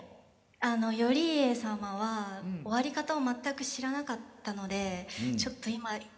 「あの頼家様は終わり方を全く知らなかったのでちょっと今かなりズシンと」。